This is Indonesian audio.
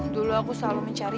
dulu aku selalu mencari